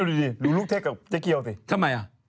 หรือรูปเทคกับเจ๊เกียวสิ